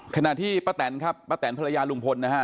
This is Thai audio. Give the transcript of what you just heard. ขณะที่ป้าแตนครับป้าแตนภรรยาลุงพลนะฮะ